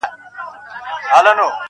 یو سړی وو یو یې سپی وو یو یې خروو-